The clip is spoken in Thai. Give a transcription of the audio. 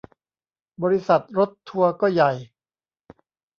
บริษัทรถทัวร์ก็ใหญ่